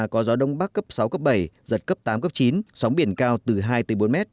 có gió đông bắc cấp sáu cấp bảy giật cấp tám cấp chín sóng biển cao từ hai bốn m